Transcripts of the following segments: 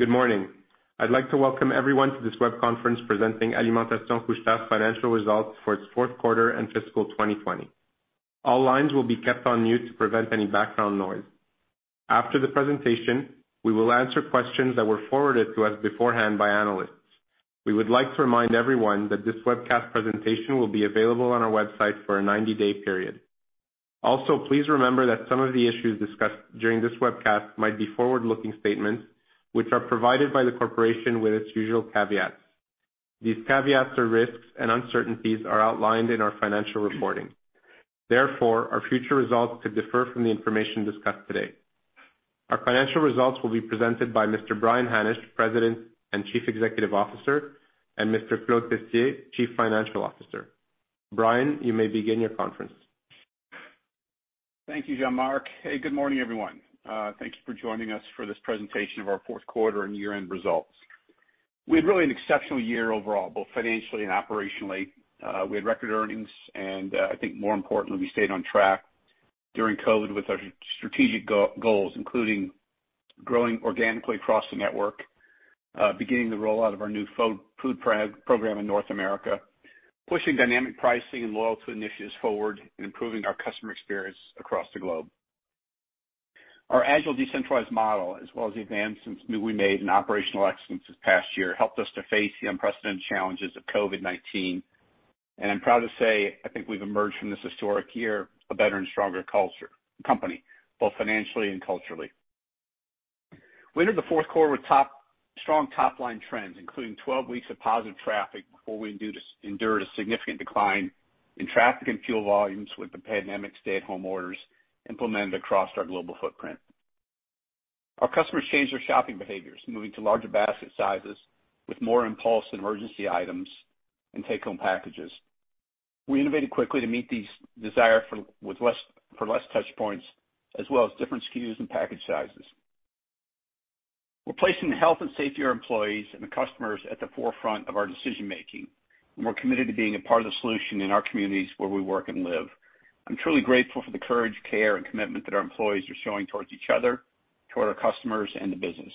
Good morning. I'd like to welcome everyone to this web conference presenting Alimentation Couche-Tard financial results for its fourth quarter and fiscal 2020. All lines will be kept on mute to prevent any background noise. After the presentation, we will answer questions that were forwarded to us beforehand by analysts. We would like to remind everyone that this webcast presentation will be available on our website for a 90-day period. Also, please remember that some of the issues discussed during this webcast might be forward-looking statements which are provided by the corporation with its usual caveats. These caveats or risks and uncertainties are outlined in our financial reporting. Therefore, our future results could differ from the information discussed today. Our financial results will be presented by Mr. Brian Hannasch, President and Chief Executive Officer, and Mr. Claude Tessier, Chief Financial Officer. Brian, you may begin your conference. Thank you, Jean Marc. Hey, good morning, everyone. Thanks for joining us for this presentation of our fourth quarter and year-end results. We had really an exceptional year overall, both financially and operationally. We had record earnings, and I think more importantly, we stayed on track during COVID-19 with our strategic goals, including growing organically across the network, beginning the rollout of our new food program in North America, pushing dynamic pricing and loyalty initiatives forward, and improving our customer experience across the globe. Our agile decentralized model, as well as the advancements we made in operational excellence this past year, helped us to face the unprecedented challenges of COVID-19. I'm proud to say, I think we've emerged from this historic year a better and stronger company, both financially and culturally. We entered the fourth quarter with strong top-line trends, including 12 weeks of positive traffic before we endured a significant decline in traffic and fuel volumes with the pandemic stay-at-home orders implemented across our global footprint. Our customers changed their shopping behaviors, moving to larger basket sizes with more impulse and emergency items and take-home packages. We innovated quickly to meet these desire for less touch points as well as different SKUs and package sizes. We're placing the health and safety of our employees and the customers at the forefront of our decision-making, we're committed to being a part of the solution in our communities where we work and live. I'm truly grateful for the courage, care, and commitment that our employees are showing towards each other, toward our customers, and the business.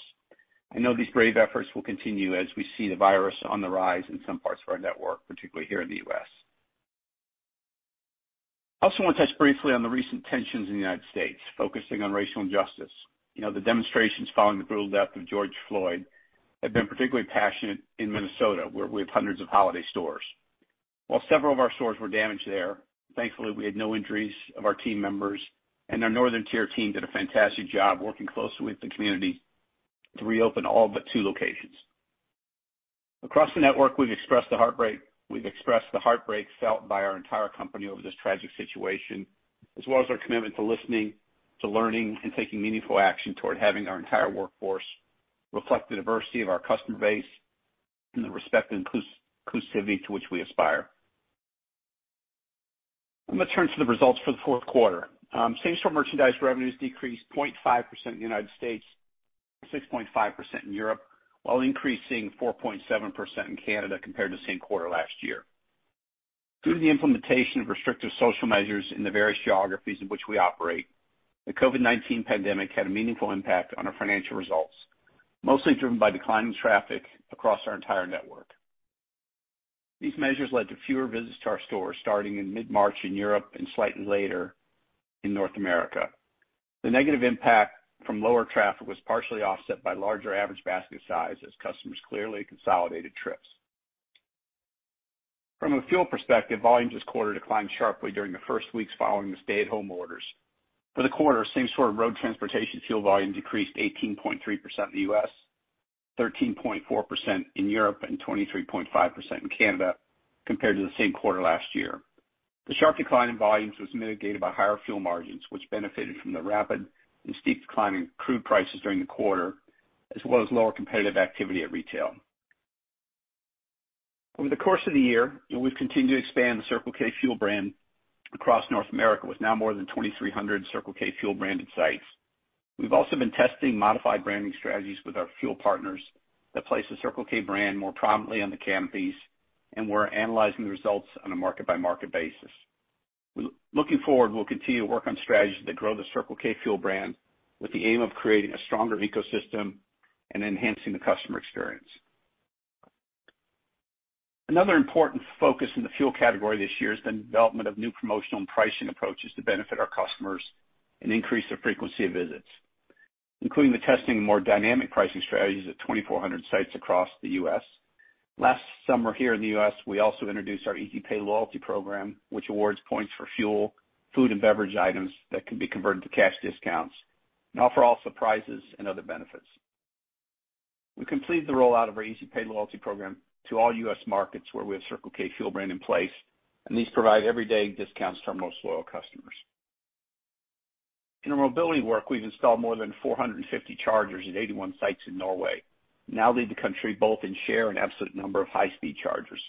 I know these brave efforts will continue as we see the virus on the rise in some parts of our network, particularly here in the U.S. I also want to touch briefly on the recent tensions in the United States focusing on racial injustice. The demonstrations following the brutal death of George Floyd have been particularly passionate in Minnesota, where we have hundreds of Holiday stores. While several of our stores were damaged there, thankfully, we had no injuries of our team members, and our northern tier team did a fantastic job working closely with the community to reopen all but two locations. Across the network, we've expressed the heartbreak felt by our entire company over this tragic situation, as well as our commitment to listening, to learning, and taking meaningful action toward having our entire workforce reflect the diversity of our customer base and the respect inclusivity to which we aspire. I'm going to turn to the results for the fourth quarter. Same-store merchandise revenues decreased 0.5% in the United States and 6.5% in Europe, while increasing 4.7% in Canada compared to the same quarter last year. Due to the implementation of restrictive social measures in the various geographies in which we operate, the COVID-19 pandemic had a meaningful impact on our financial results, mostly driven by declining traffic across our entire network. These measures led to fewer visits to our stores starting in mid-March in Europe and slightly later in North America. The negative impact from lower traffic was partially offset by larger average basket size as customers clearly consolidated trips. From a fuel perspective, volumes this quarter declined sharply during the first weeks following the stay-at-home orders. For the quarter, same-store road transportation fuel volume decreased 18.3% in the U.S., 13.4% in Europe, and 23.5% in Canada compared to the same quarter last year. The sharp decline in volumes was mitigated by higher fuel margins, which benefited from the rapid and steep decline in crude prices during the quarter, as well as lower competitive activity at retail. Over the course of the year, we've continued to expand the Circle K fuel brand across North America with now more than 2,300 Circle K fuel branded sites. We've also been testing modified branding strategies with our fuel partners that place the Circle K brand more prominently on the canopies, and we're analyzing the results on a market-by-market basis. Looking forward, we'll continue to work on strategies that grow the Circle K fuel brand with the aim of creating a stronger ecosystem and enhancing the customer experience. Another important focus in the fuel category this year is the development of new promotional and pricing approaches to benefit our customers and increase their frequency of visits, including the testing of more dynamic pricing strategies at 2,400 sites across the U.S. Last summer here in the U.S., we also introduced our Easy Pay loyalty program, which awards points for fuel, food, and beverage items that can be converted to cash discounts and offer also prizes and other benefits. We completed the rollout of our Easy Pay loyalty program to all U.S. markets where we have Circle K fuel brand in place, and these provide everyday discounts to our most loyal customers. In our mobility work, we've installed more than 450 chargers at 81 sites in Norway and now lead the country both in share and absolute number of high-speed chargers.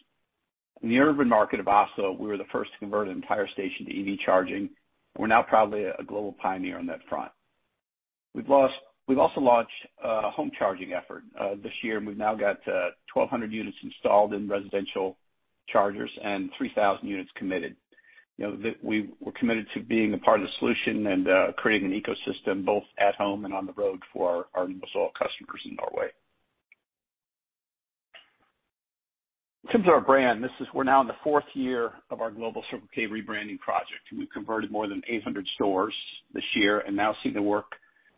In the urban market of Oslo, we were the first to convert an entire station to EV charging, and we're now proudly a global pioneer on that front. We've also launched a home charging effort this year, and we've now got 1,200 units installed in residential chargers and 3,000 units committed. That we're committed to being a part of the solution and creating an ecosystem both at home and on the road for our non-oil customers in Norway. In terms of our brand, we're now in the fourth year of our global Circle K rebranding project. We've converted more than 800 stores this year and now see the work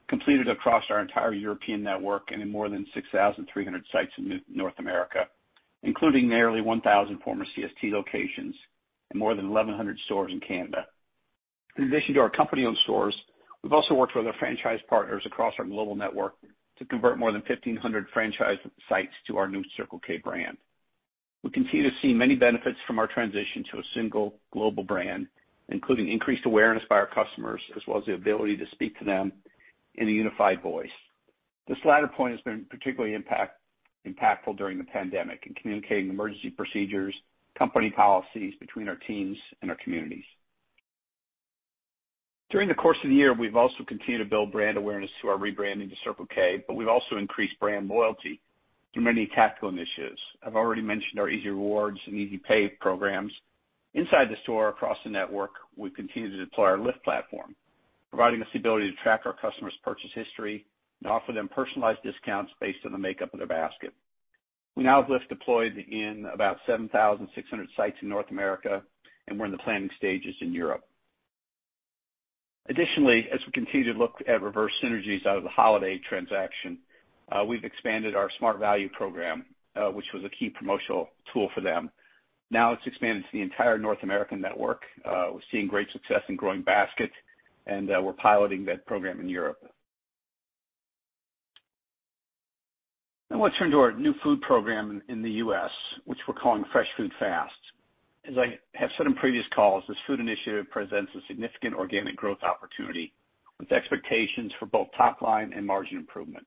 completed across our entire European network and in more than 6,300 sites in North America, including nearly 1,000 former CST locations and more than 1,100 stores in Canada. In addition to our company-owned stores, we've also worked with our franchise partners across our global network to convert more than 1,500 franchise sites to our new Circle K brand. We continue to see many benefits from our transition to a single global brand, including increased awareness by our customers, as well as the ability to speak to them in a unified voice. This latter point has been particularly impactful during the pandemic in communicating emergency procedures, company policies between our teams and our communities. During the course of the year, we've also continued to build brand awareness through our rebranding to Circle K. We've also increased brand loyalty through many tactical initiatives. I've already mentioned our Easy Rewards and Easy Pay programs. Inside the store, across the network, we've continued to deploy our LIFT platform, providing us the ability to track our customers' purchase history and offer them personalized discounts based on the makeup of their basket. We now have LIFT deployed in about 7,600 sites in North America. We're in the planning stages in Europe. Additionally, as we continue to look at reverse synergies out of the Holiday transaction, we've expanded our Smart Value program, which was a key promotional tool for them. Now it's expanded to the entire North American network. We're seeing great success in growing basket. We're piloting that program in Europe. Now let's turn to our new food program in the U.S., which we're calling Fresh Food Fast. As I have said on previous calls, this food initiative presents a significant organic growth opportunity with expectations for both top line and margin improvement.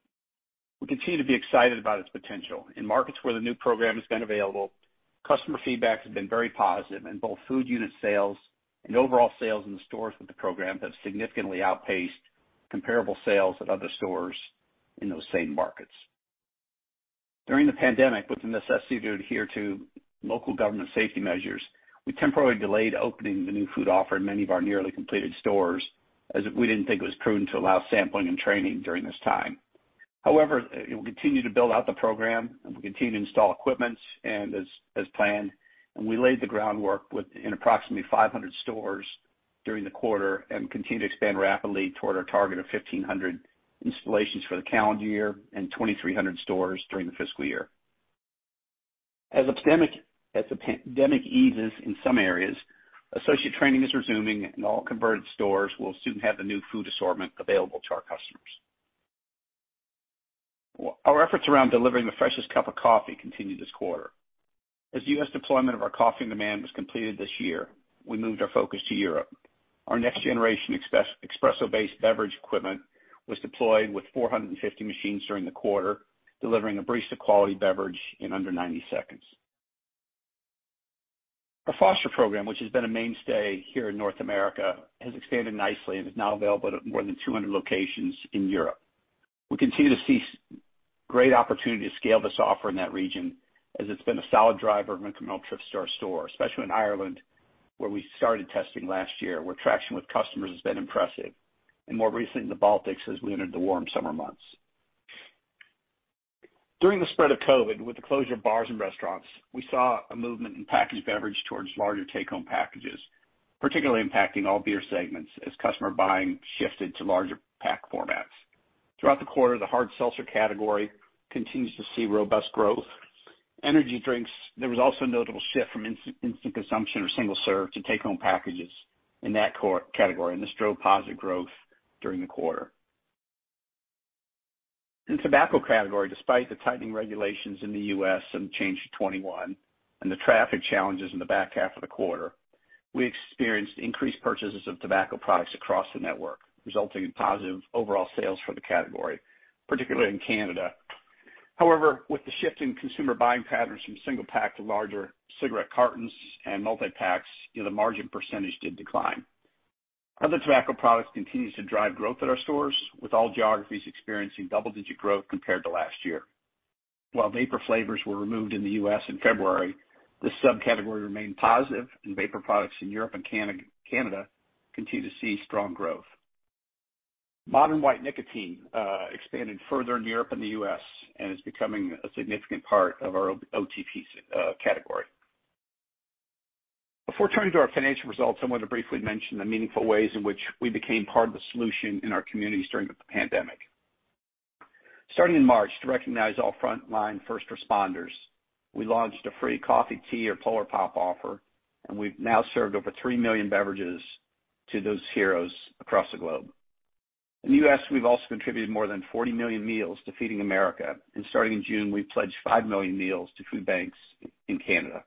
We continue to be excited about its potential. In markets where the new program has been available, customer feedback has been very positive, and both food unit sales and overall sales in the stores with the program have significantly outpaced comparable sales at other stores in those same markets. During the pandemic, with the necessity to adhere to local government safety measures, we temporarily delayed opening the new food offer in many of our nearly completed stores, as we didn't think it was prudent to allow sampling and training during this time. However, we continue to build out the program, and we continue to install equipment as planned. We laid the groundwork in approximately 500 stores during the quarter and continue to expand rapidly toward our target of 1,500 installations for the calendar year and 2,300 stores during the fiscal year. As the pandemic eases in some areas, associate training is resuming, and all converted stores will soon have the new food assortment available to our customers. Our efforts around delivering the freshest cup of coffee continued this quarter. As U.S. deployment of our on-demand coffee was completed this year, we moved our focus to Europe. Our next generation espresso-based beverage equipment was deployed with 450 machines during the quarter, delivering a barista-quality beverage in under 90 seconds. Our Froster program, which has been a mainstay here in North America, has expanded nicely and is now available at more than 200 locations in Europe. We continue to see great opportunity to scale this offer in that region as it's been a solid driver of incremental trips to our store, especially in Ireland, where we started testing last year, where traction with customers has been impressive. More recently in the Baltics as we entered the warm summer months. During the spread of COVID-19, with the closure of bars and restaurants, we saw a movement in packaged beverage towards larger take-home packages, particularly impacting all beer segments as customer buying shifted to larger pack formats. Throughout the quarter, the hard seltzer category continues to see robust growth. Energy drinks, there was also a notable shift from instant consumption or single-serve to take-home packages in that category, and this drove positive growth during the quarter. In tobacco category, despite the tightening regulations in the U.S. and change to 21 and the traffic challenges in the back half of the quarter, we experienced increased purchases of tobacco products across the network, resulting in positive overall sales for the category, particularly in Canada. With the shift in consumer buying patterns from single pack to larger cigarette cartons and multi-packs, the margin % did decline. Other tobacco products continues to drive growth at our stores, with all geographies experiencing double-digit growth compared to last year. While vapor flavors were removed in the U.S. in February, this subcategory remained positive, and vapor products in Europe and Canada continue to see strong growth. Modern white nicotine expanded further in Europe and the U.S. and is becoming a significant part of our OTP category. Before turning to our financial results, I want to briefly mention the meaningful ways in which we became part of the solution in our communities during the pandemic. Starting in March, to recognize all frontline first responders, we launched a free coffee, tea, or Polar Pop offer, and we've now served over 3 million beverages to those heroes across the globe. In the U.S., we've also contributed more than 40 million meals to Feeding America, and starting in June, we pledged 5 million meals to food banks in Canada.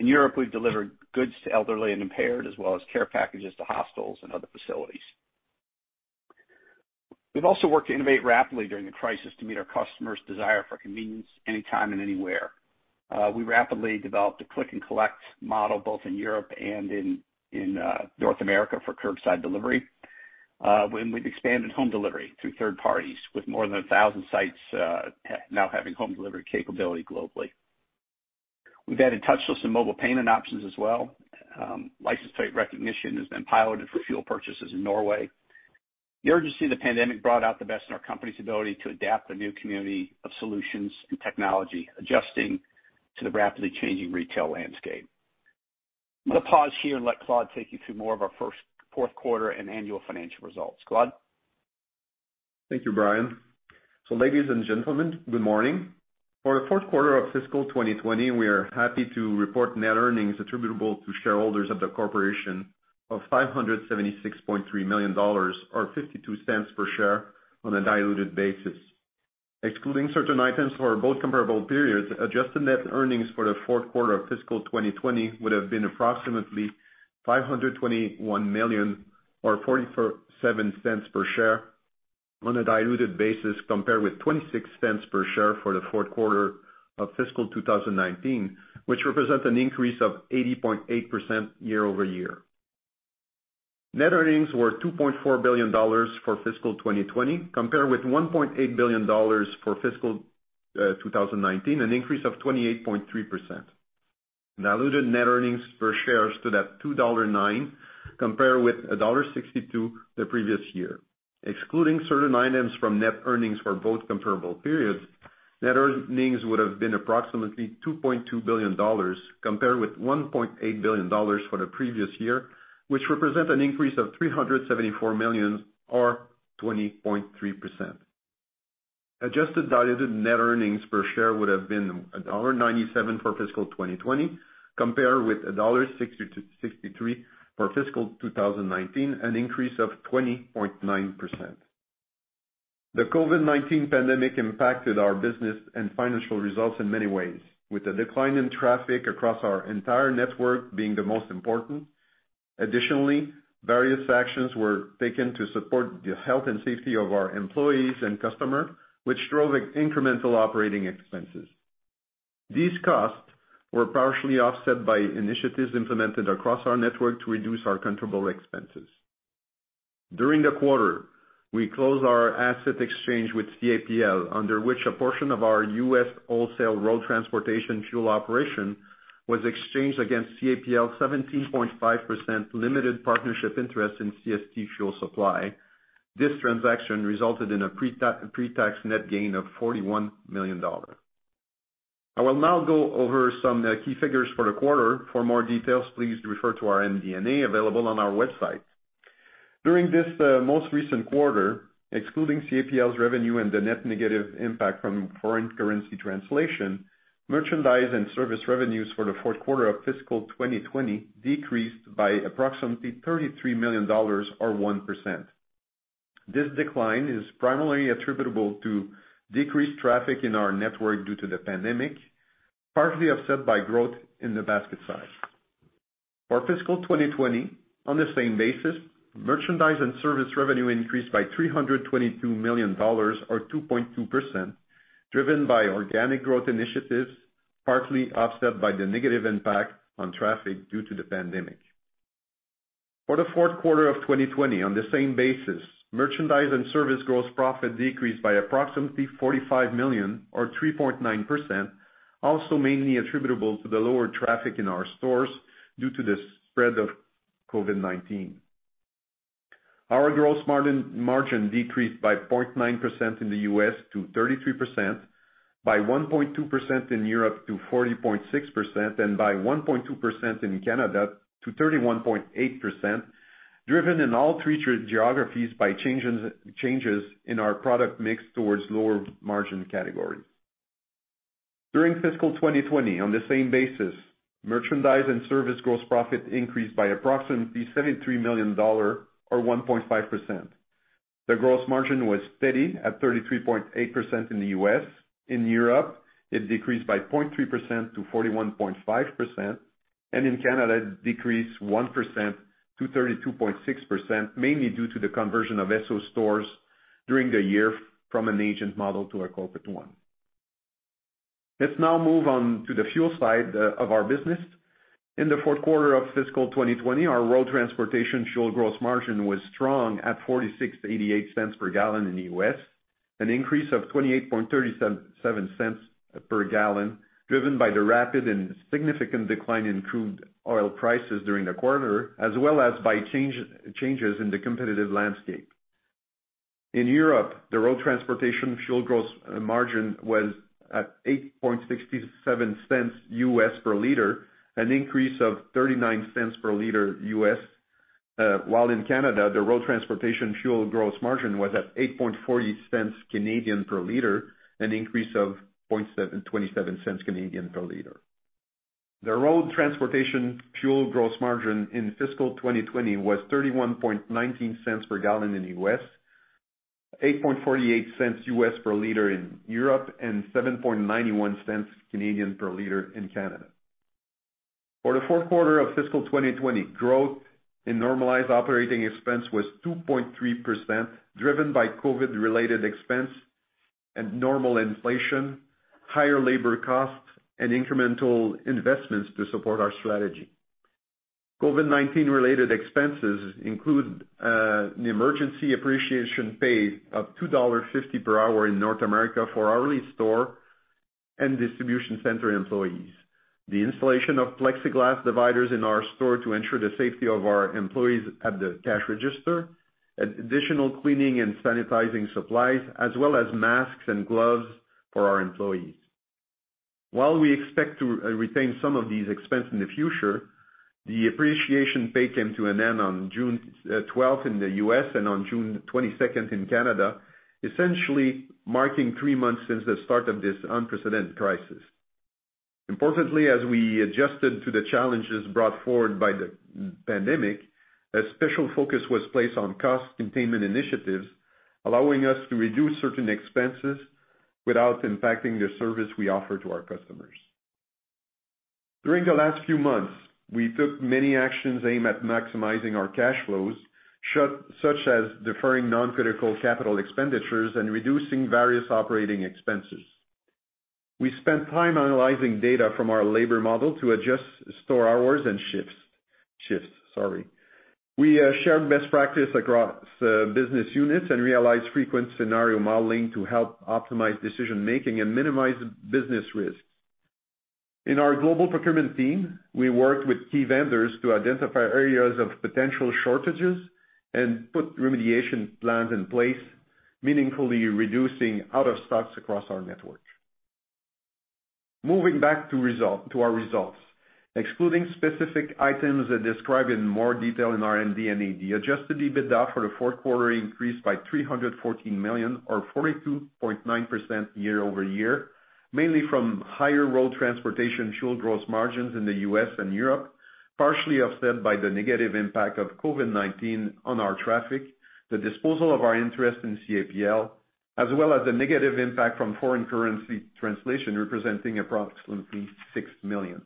In Europe, we've delivered goods to elderly and impaired, as well as care packages to hospitals and other facilities. We've also worked to innovate rapidly during the crisis to meet our customers' desire for convenience anytime and anywhere. We rapidly developed a click and collect model both in Europe and in North America for curbside delivery. We've expanded home delivery through third parties, with more than 1,000 sites now having home delivery capability globally. We've added touchless and mobile payment options as well. License plate recognition has been piloted for fuel purchases in Norway. The urgency of the pandemic brought out the best in our company's ability to adapt a new community of solutions and technology, adjusting to the rapidly changing retail landscape. I'm going to pause here and let Claude take you through more of our fourth quarter and annual financial results. Claude? Thank you, Brian. Ladies and gentlemen, good morning. For the fourth quarter of fiscal 2020, we are happy to report net earnings attributable to shareholders of the corporation of 576.3 million dollars, or $0.52 per share on a diluted basis. Excluding certain items for both comparable periods, adjusted net earnings for the fourth quarter of fiscal 2020 would have been approximately 521 million or $0.47 per share on a diluted basis, compared with $0.26 per share for the fourth quarter of fiscal 2019, which represents an increase of 80.8% year-over-year. Net earnings were 2.4 billion dollars for fiscal 2020, compared with 1.8 billion dollars for fiscal 2019, an increase of 28.3%. Diluted net earnings per share stood at 2.09 dollar, compared with dollar 1.62 the previous year. Excluding certain items from net earnings for both comparable periods, net earnings would have been approximately 2.2 billion dollars, compared with 1.8 billion dollars for the previous year, which represents an increase of 374 million, or 20.3%. Adjusted diluted net earnings per share would have been dollar 1.97 for fiscal 2020, compared with dollar 1.63 for fiscal 2019, an increase of 20.9%. The COVID-19 pandemic impacted our business and financial results in many ways, with the decline in traffic across our entire network being the most important. Additionally, various actions were taken to support the health and safety of our employees and customers, which drove incremental operating expenses. These costs were partially offset by initiatives implemented across our network to reduce our controllable expenses. During the quarter, we closed our asset exchange with CAPL, under which a portion of our U.S. wholesale road transportation fuel operation was exchanged against CAPL's 17.5% limited partnership interest in CST Fuel Supply. This transaction resulted in a pre-tax net gain of 41 million dollars. I will now go over some key figures for the quarter. For more details, please refer to our MD&A available on our website. During this most recent quarter, excluding CAPL's revenue and the net negative impact from foreign currency translation, merchandise and service revenues for the fourth quarter of fiscal 2020 decreased by approximately 33 million dollars, or 1%. This decline is primarily attributable to decreased traffic in our network due to the pandemic, partially offset by growth in the basket size. For fiscal 2020, on the same basis, merchandise and service revenue increased by 322 million dollars, or 2.2%, driven by organic growth initiatives, partly offset by the negative impact on traffic due to the pandemic. For the fourth quarter of 2020, on the same basis, merchandise and service gross profit decreased by approximately 45 million, or 3.9%, also mainly attributable to the lower traffic in our stores due to the spread of COVID-19. Our gross margin decreased by 0.9% in the U.S. to 33%, by 1.2% in Europe to 40.6%, and by 1.2% in Canada to 31.8%, driven in all three geographies by changes in our product mix towards lower-margin categories. During fiscal 2020, on the same basis, merchandise and service gross profit increased by approximately 73 million dollar, or 1.5%. The gross margin was steady at 33.8% in the U.S. In Europe, it decreased by 0.3% to 41.5%, and in Canada, it decreased 1% to 32.6%, mainly due to the conversion of Esso stores during the year from an agent model to a corporate one. Let's now move on to the fuel side of our business. In the fourth quarter of fiscal 2020, our road transportation fuel gross margin was strong at $0.4688 per gallon in the U.S., an increase of $0.2837 per gallon, driven by the rapid and significant decline in crude oil prices during the quarter, as well as by changes in the competitive landscape. In Europe, the road transportation fuel gross margin was at $0.0867 per liter, an increase of $0.39 per liter. While in Canada, the road transportation fuel gross margin was at 0.0840 per liter, an increase of 0.0027 per liter. The road transportation fuel gross margin in fiscal 2020 was $0.3119 per gallon in the U.S., 0.0848 per liter in Europe, and 0.0791 per liter in Canada. For the fourth quarter of fiscal 2020, growth in normalized operating expense was 2.3%, driven by COVID-19-related expense and normal inflation, higher labor costs, and incremental investments to support our strategy. COVID-19 related expenses include an emergency appreciation pay of $2.50 per hour in North America for hourly store and distribution center employees, the installation of plexiglass dividers in our store to ensure the safety of our employees at the cash register, additional cleaning and sanitizing supplies, as well as masks and gloves for our employees. While we expect to retain some of these expenses in the future, the appreciation pay came to an end on June 12th in the U.S. and on June 22nd in Canada, essentially marking three months since the start of this unprecedented crisis. Importantly, as we adjusted to the challenges brought forward by the pandemic, a special focus was placed on cost containment initiatives, allowing us to reduce certain expenses without impacting the service we offer to our customers. During the last few months, we took many actions aimed at maximizing our cash flows, such as deferring non-critical capital expenditures and reducing various operating expenses. We spent time analyzing data from our labor model to adjust store hours and shifts. We shared best practice across business units and realized frequent scenario modeling to help optimize decision-making and minimize business risk. In our global procurement team, we worked with key vendors to identify areas of potential shortages and put remediation plans in place, meaningfully reducing out-of-stocks across our network. Moving back to our results. Excluding specific items described in more detail in our MD&A, adjusted EBITDA for the fourth quarter increased by 314 million or 42.9% year-over-year, mainly from higher road transportation fuel gross margins in the U.S. and Europe, partially offset by the negative impact of COVID-19 on our traffic, the disposal of our interest in CAPL, as well as the negative impact from foreign currency translation representing approximately 6 million.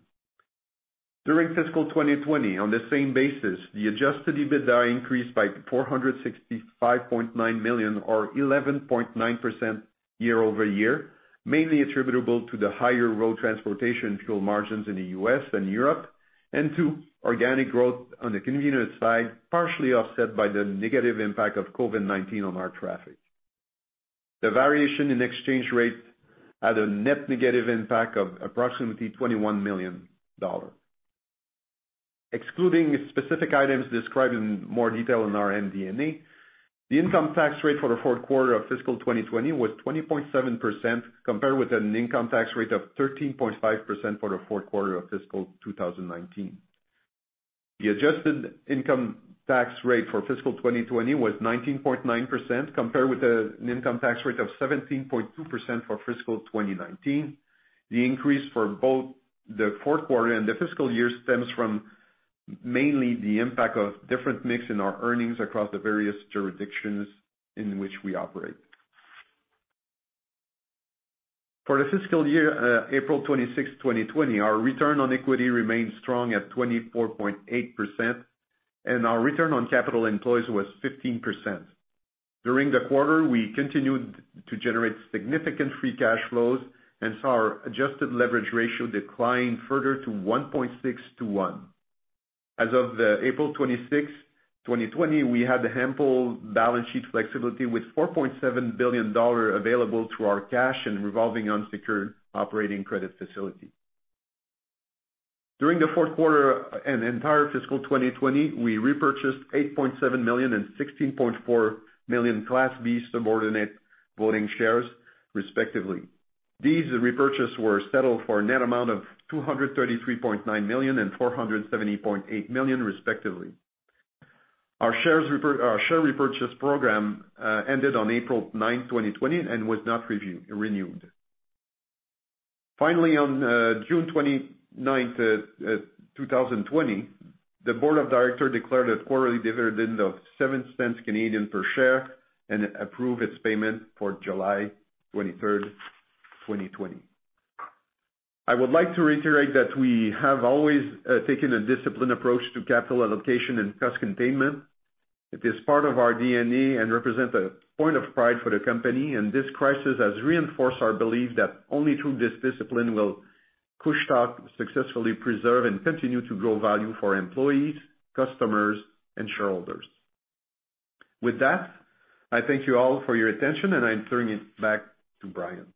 During fiscal 2020, on the same basis, the adjusted EBITDA increased by 465.9 million or 11.9% year-over-year, mainly attributable to the higher road transportation fuel margins in the U.S. and Europe, and to organic growth on the convenience side, partially offset by the negative impact of COVID-19 on our traffic. The variation in exchange rates had a net negative impact of approximately 21 million dollars. Excluding specific items described in more detail in our MD&A, the income tax rate for the fourth quarter of fiscal 2020 was 20.7% compared with an income tax rate of 13.5% for the fourth quarter of fiscal 2019. The adjusted income tax rate for fiscal 2020 was 19.9%, compared with an income tax rate of 17.2% for fiscal 2019. The increase for both the 4th quarter and the fiscal year stems from mainly the impact of different mix in our earnings across the various jurisdictions in which we operate. For the fiscal year, April 26, 2020, our return on equity remained strong at 24.8%, and our return on capital employed was 15%. During the quarter, we continued to generate significant free cash flows and saw our adjusted leverage ratio decline further to 1.6:1. As of April 26, 2020, we had ample balance sheet flexibility with 4.7 billion dollar available through our cash and revolving unsecured operating credit facility. During the 4th quarter and entire fiscal 2020, we repurchased 8.7 million and 16.4 million Class B subordinate voting shares, respectively. These repurchases were settled for a net amount of 233.9 million and 470.8 million, respectively. Our share repurchase program ended on April 9, 2020, and was not renewed. Finally, on June 29, 2020, the board of directors declared a quarterly dividend of 0.07 per share and approved its payment for July 23, 2020. I would like to reiterate that we have always taken a disciplined approach to capital allocation and cost containment. It is part of our DNA and represents a point of pride for the company, and this crisis has reinforced our belief that only through this discipline will Couche-Tard successfully preserve and continue to grow value for employees, customers, and shareholders. With that, I thank you all for your attention, and I'm turning it back to Brian.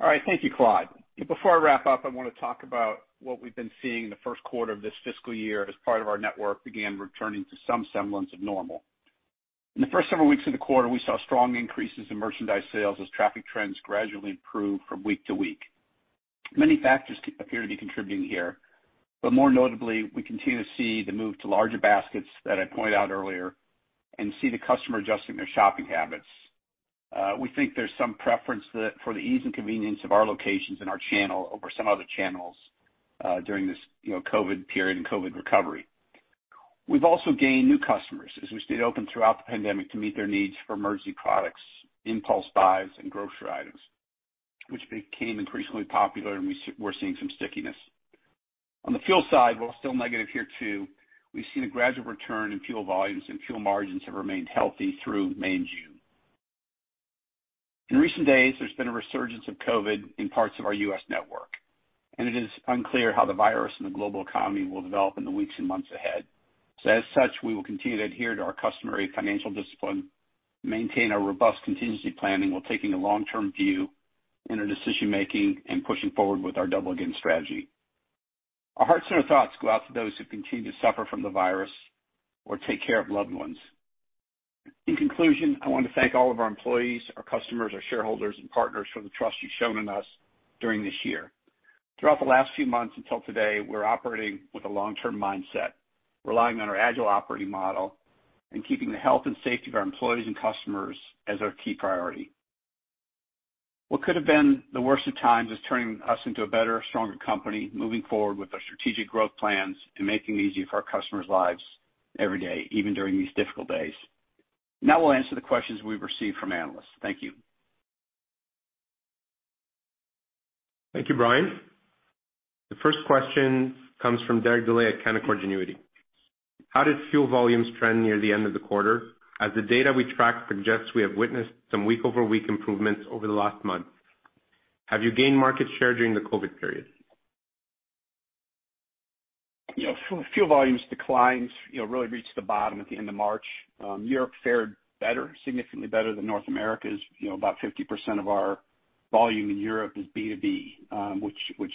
All right. Thank you, Claude. Before I wrap up, I want to talk about what we've been seeing in the first quarter of this fiscal year as part of our network began returning to some semblance of normal. In the first several weeks of the quarter, we saw strong increases in merchandise sales as traffic trends gradually improved from week to week. Many factors appear to be contributing here, but more notably, we continue to see the move to larger baskets that I pointed out earlier and see the customer adjusting their shopping habits. We think there's some preference for the ease and convenience of our locations and our channel over some other channels during this COVID-19 period and COVID-19 recovery. We've also gained new customers as we stayed open throughout the pandemic to meet their needs for emergency products, impulse buys, and grocery items, which became increasingly popular, and we're seeing some stickiness. On the fuel side, while still negative here too, we've seen a gradual return in fuel volumes, and fuel margins have remained healthy through May and June. In recent days, there's been a resurgence of COVID-19 in parts of our U.S. network, and it is unclear how the virus and the global economy will develop in the weeks and months ahead. As such, we will continue to adhere to our customary financial discipline, maintain a robust contingency planning while taking a long-term view in our decision-making and pushing forward with our Double Again strategy. Our hearts and our thoughts go out to those who continue to suffer from the virus or take care of loved ones. In conclusion, I want to thank all of our employees, our customers, our shareholders and partners for the trust you've shown in us during this year. Throughout the last few months until today, we're operating with a long-term mindset, relying on our agile operating model and keeping the health and safety of our employees and customers as our key priority. What could have been the worst of times is turning us into a better, stronger company, moving forward with our strategic growth plans and making it easy for our customers' lives every day, even during these difficult days. Now we'll answer the questions we've received from analysts. Thank you. Thank you, Brian. The first question comes from Derek Dley at Canaccord Genuity. How did fuel volumes trend near the end of the quarter? As the data we track suggests, we have witnessed some week-over-week improvements over the last month. Have you gained market share during the COVID-19 period? Yeah. Fuel volumes declines really reached the bottom at the end of March. Europe fared better, significantly better than North America. About 50% of our volume in Europe is B2B, which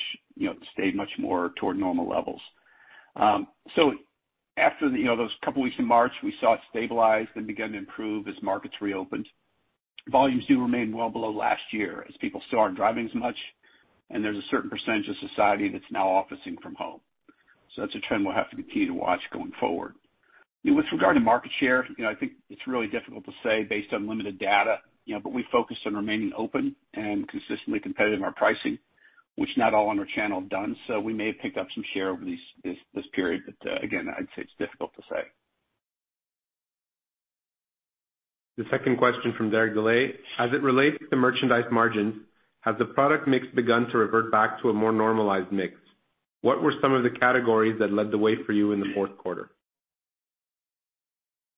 stayed much more toward normal levels. After those couple weeks in March, we saw it stabilize, then begin to improve as markets reopened. Volumes do remain well below last year as people still aren't driving as much, and there's a certain percentage of society that's now officing from home. That's a trend we'll have to continue to watch going forward. With regard to market share, I think it's really difficult to say based on limited data, but we focused on remaining open and consistently competitive in our pricing, which not all in our channel have done. We may have picked up some share over this period, but again, I'd say it's difficult to say. The second question from Derek Dley. As it relates to the merchandise margins, has the product mix begun to revert back to a more normalized mix? What were some of the categories that led the way for you in the fourth quarter?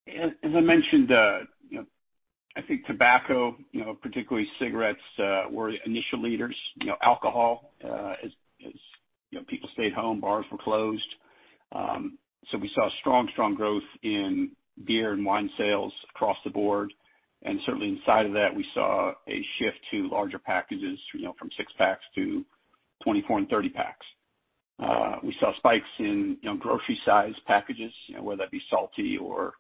As I mentioned, I think tobacco, particularly cigarettes, were initial leaders. Alcohol, as people stayed home, bars were closed. We saw strong growth in beer and wine sales across the board. Certainly inside of that, we saw a shift to larger packages, from 6 packs to 24 and 30 packs. We saw spikes in grocery size packages, whether that be salty or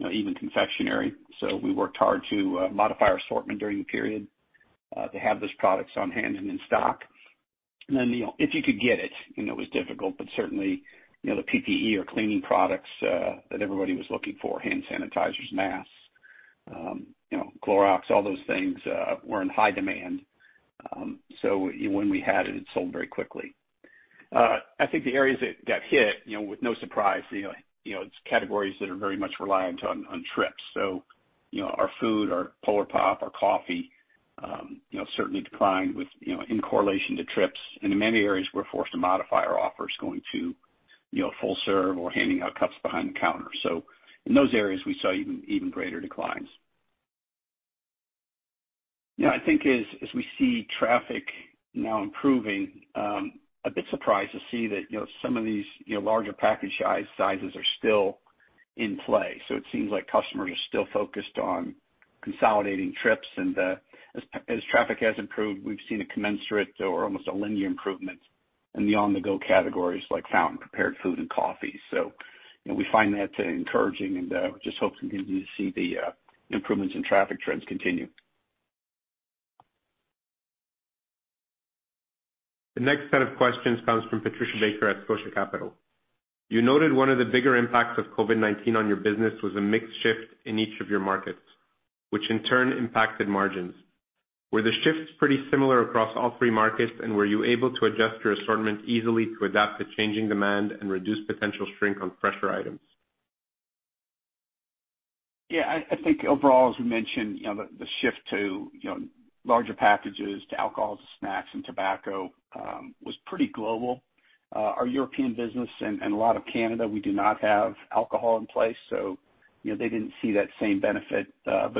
even confectionery. We worked hard to modify our assortment during the period to have those products on hand and in stock. If you could get it was difficult, but certainly, the PPE or cleaning products that everybody was looking for, hand sanitizers, masks, Clorox, all those things, were in high demand. When we had it sold very quickly. I think the areas that got hit, with no surprise, it's categories that are very much reliant on trips. Our food, our Polar Pop, our coffee, certainly declined in correlation to trips. In many areas, we're forced to modify our offers going to full serve or handing out cups behind the counter. In those areas, we saw even greater declines. I think as we see traffic now improving, I'm a bit surprised to see that some of these larger package sizes are still in play. It seems like customers are still focused on consolidating trips and as traffic has improved, we've seen a commensurate or almost a linear improvement in the on-the-go categories like fountain, prepared food, and coffee. We find that encouraging and just hope to continue to see the improvements in traffic trends continue. The next set of questions comes from Patricia Baker at Scotia Capital. You noted one of the bigger impacts of COVID-19 on your business was a mixed shift in each of your markets, which in turn impacted margins. Were the shifts pretty similar across all three markets, and were you able to adjust your assortment easily to adapt to changing demand and reduce potential shrink on fresher items? Yeah, I think overall, as we mentioned, the shift to larger packages, to alcohol, to snacks and tobacco, was pretty global. Our European business and a lot of Canada, we do not have alcohol in place, so they didn't see that same benefit.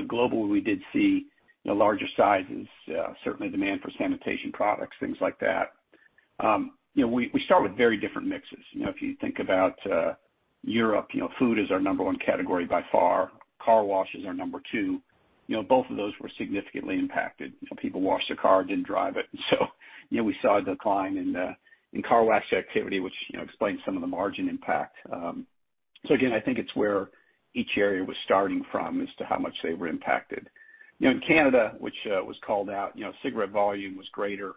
Globally, we did see larger sizes, certainly demand for sanitation products, things like that. We start with very different mixes. If you think about Europe, food is our number 1 category by far. Car wash is our number 2. Both of those were significantly impacted. People washed their car, didn't drive it, and so we saw a decline in car wash activity, which explains some of the margin impact. Again, I think it's where each area was starting from as to how much they were impacted. In Canada, which was called out, cigarette volume was greater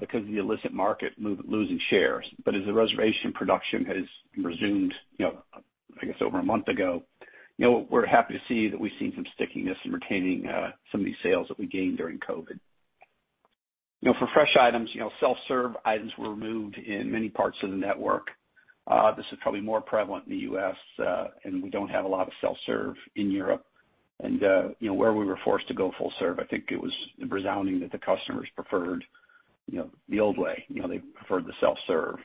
because of the illicit market losing shares. As the reservation production has resumed, I guess over a month ago, we're happy to see that we've seen some stickiness in retaining some of these sales that we gained during COVID-19. For fresh items, self-serve items were removed in many parts of the network. This is probably more prevalent in the U.S., and we don't have a lot of self-serve in Europe. Where we were forced to go full serve, I think it was resounding that the customers preferred the old way. They preferred the self-serve.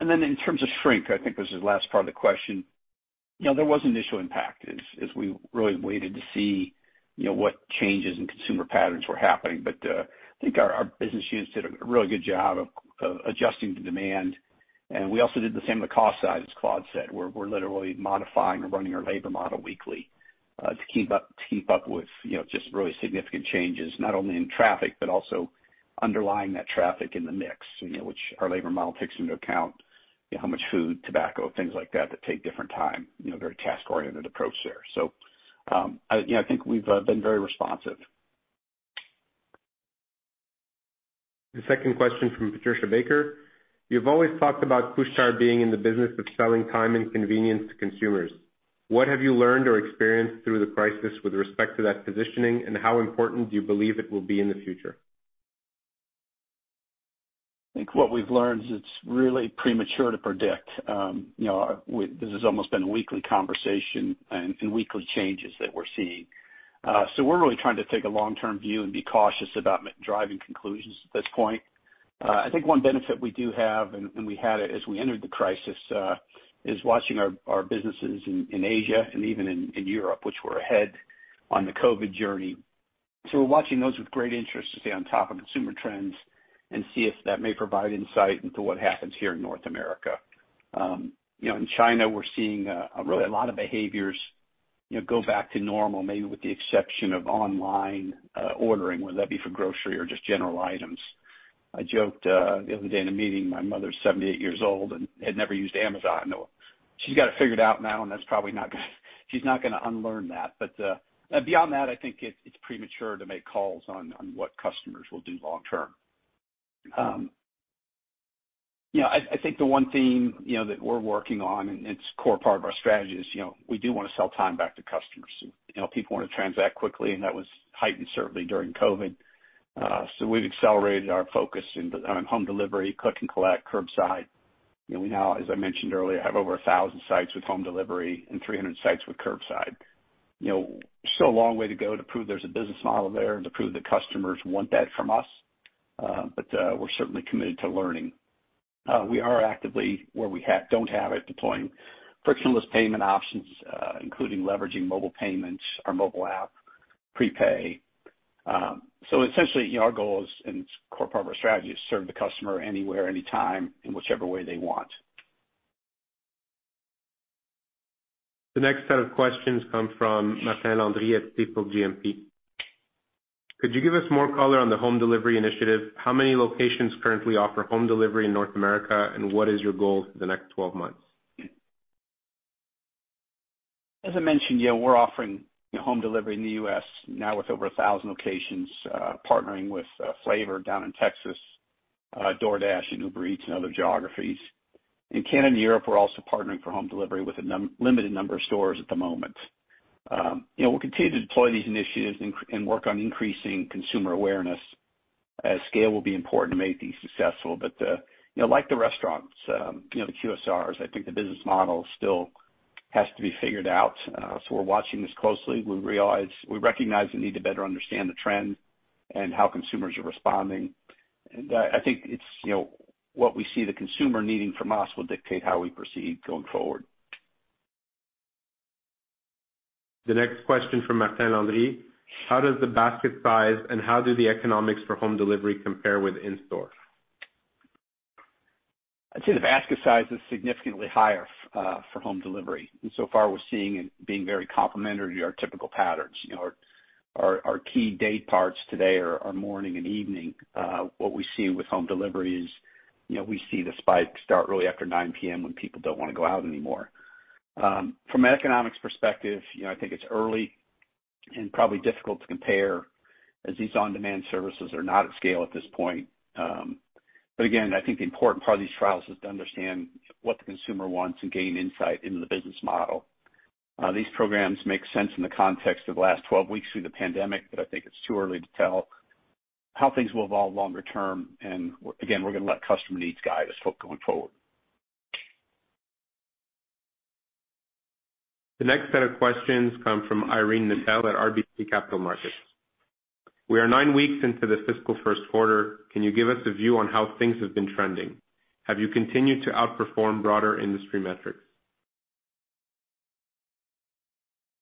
In terms of shrink, I think this is the last part of the question. There was initial impact as we really waited to see what changes in consumer patterns were happening. I think our business units did a really good job of adjusting to demand. We also did the same on the cost side, as Claude said. We're literally modifying or running our labor model weekly, to keep up with just really significant changes, not only in traffic, but also underlying that traffic in the mix, which our labor model takes into account how much food, tobacco, things like that take different time, very task-oriented approach there. I think we've been very responsive. The second question from Patricia Baker. You've always talked about Couche-Tard being in the business of selling time and convenience to consumers. What have you learned or experienced through the crisis with respect to that positioning, and how important do you believe it will be in the future? I think what we've learned is it's really premature to predict. This has almost been a weekly conversation and weekly changes that we're seeing. We're really trying to take a long-term view and be cautious about driving conclusions at this point. I think one benefit we do have, and we had it as we entered the crisis, is watching our businesses in Asia and even in Europe, which were ahead on the COVID journey. We're watching those with great interest to stay on top of consumer trends and see if that may provide insight into what happens here in North America. In China, we're seeing a lot of behaviors go back to normal, maybe with the exception of online ordering, whether that be for grocery or just general items. I joked the other day in a meeting, my mother's 78 years old and had never used Amazon. She's got it figured out now, and she's not going to unlearn that. Beyond that, I think it's premature to make calls on what customers will do long term. I think the one theme that we're working on, and it's a core part of our strategy, is we do want to sell time back to customers. People want to transact quickly, and that was heightened certainly during COVID. We've accelerated our focus on home delivery, click and collect, curbside. We now, as I mentioned earlier, have over 1,000 sites with home delivery and 300 sites with curbside. Still a long way to go to prove there's a business model there and to prove that customers want that from us. We're certainly committed to learning. We are actively, where we don't have it, deploying frictionless payment options, including leveraging mobile payments, our mobile app, prepay. Essentially, our goal is, and it's a core part of our strategy, is to serve the customer anywhere, anytime, in whichever way they want. The next set of questions come from Martin Landry at Stifel GMP. Could you give us more color on the home delivery initiative? How many locations currently offer home delivery in North America, and what is your goal for the next 12 months? As I mentioned, we're offering home delivery in the U.S. now with over 1,000 locations, partnering with Favor down in Texas, DoorDash and Uber Eats in other geographies. In Canada and Europe, we're also partnering for home delivery with a limited number of stores at the moment. We'll continue to deploy these initiatives and work on increasing consumer awareness as scale will be important to make these successful. Like the restaurants, the QSRs, I think the business model still has to be figured out. We're watching this closely. We recognize the need to better understand the trend and how consumers are responding. I think what we see the consumer needing from us will dictate how we proceed going forward. The next question from Martin Landry. How does the basket size and how do the economics for home delivery compare with in-store? I'd say the basket size is significantly higher for home delivery. So far we're seeing it being very complementary to our typical patterns. Our key day parts today are morning and evening. What we see with home delivery is, we see the spike start really after 9:00 P.M. when people don't want to go out anymore. From an economics perspective, I think it's early and probably difficult to compare as these on-demand services are not at scale at this point. Again, I think the important part of these trials is to understand what the consumer wants and gain insight into the business model. These programs make sense in the context of the last 12 weeks through the pandemic, but I think it's too early to tell how things will evolve longer term. Again, we're going to let customer needs guide us going forward. The next set of questions come from Irene Nattel at RBC Capital Markets. We are nine weeks into the fiscal first quarter. Can you give us a view on how things have been trending? Have you continued to outperform broader industry metrics?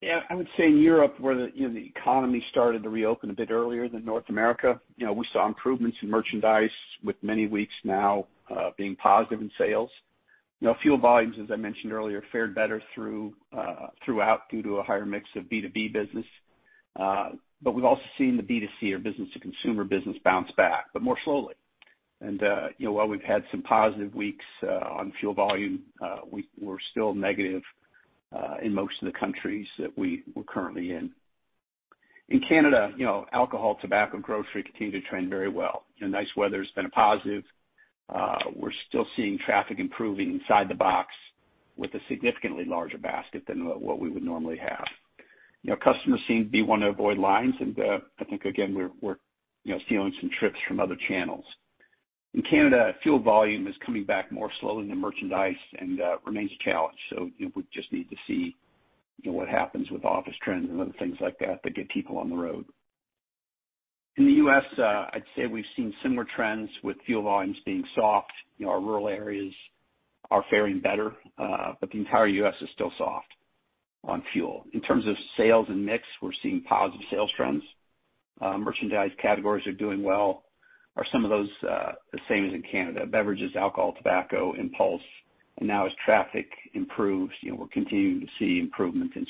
Yeah, I would say in Europe, where the economy started to reopen a bit earlier than North America, we saw improvements in merchandise with many weeks now being positive in sales. Fuel volumes, as I mentioned earlier, fared better throughout due to a higher mix of B2B business. We've also seen the B2C or business to consumer business bounce back, but more slowly. While we've had some positive weeks on fuel volume, we're still negative in most of the countries that we're currently in. In Canada, alcohol, tobacco, grocery continue to trend very well. Nice weather has been a positive. We're still seeing traffic improving inside the box with a significantly larger basket than what we would normally have. Customers seem to want to avoid lines, and I think, again, we're stealing some trips from other channels. In Canada, fuel volume is coming back more slowly than merchandise and remains a challenge. We just need to see what happens with office trends and other things like that get people on the road. In the U.S., I'd say we've seen similar trends with fuel volumes being soft. Our rural areas are faring better, but the entire U.S. is still soft on fuel. In terms of sales and mix, we're seeing positive sales trends. Merchandise categories are doing well, are some of those the same as in Canada. Beverages, alcohol, tobacco, impulse, and now as traffic improves, we're continuing to see improvements in